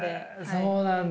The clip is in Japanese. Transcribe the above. そうなんだ。